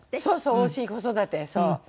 そうそう『おいしい子育て』そう。